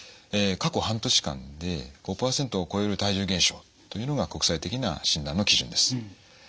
過去半年間で５％を超える体重減少というのが国際的な診断の基準です。